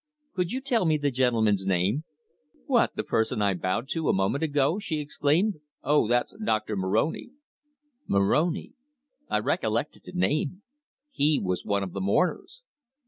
Could you tell me the gentleman's name?" "What, the person I bowed to a moment ago?" she exclaimed. "Oh! that's Doctor Moroni." Moroni! I recollected the name. He was one of the mourners!